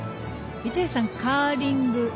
一橋さん、カーリング。